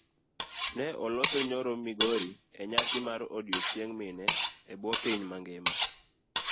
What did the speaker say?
Ne oloso nyoro migori enyasi mar odiochieng' mine ebuo piny mangima.